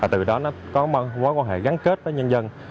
từ đó nó có mối quan hệ gắn kết với nhân dân